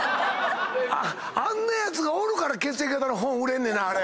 あんなやつがおるから血液型の本売れんねんなあれ。